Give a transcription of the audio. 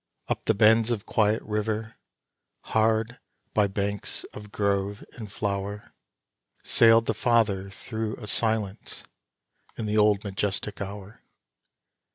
Up the bends of quiet river, hard by banks of grove and flower, Sailed the father through a silence in the old majestic hour.